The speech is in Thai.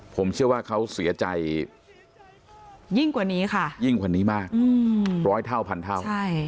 ผมเชื่อว่าเขาเสียใจยิ่งกว่านี้ค่ะยิ่งกว่านี้มากร้อยเท่าพันเท่า